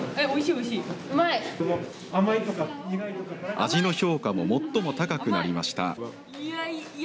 味の評価も最も高くなりました。